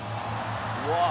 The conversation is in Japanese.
うわっ！